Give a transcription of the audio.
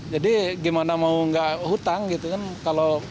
jadi gimana mau gak hutang gitu kan